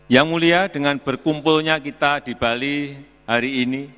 yang mulia dengan berkumpulnya kita di bali hari ini